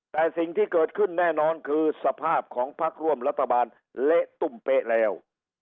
แต่สิ่งที่เกิดขึ้นแน่นอนคือสภาพของพักร่วมรัฐบาลเละตุ้มเป๊ะแล้ว